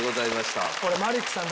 俺マリックさん